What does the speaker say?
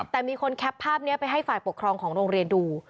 แต่มีคนแคปภาพนี้ไปให้ฝ่ายปกครองของโรงเรียนดู